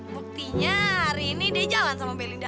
buktinya hari ini dia jalan sama belinda